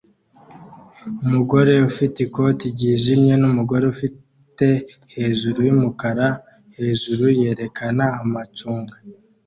Umugore ufite ikote ryijimye numugore ufite hejuru yumukara hejuru yerekana amacunga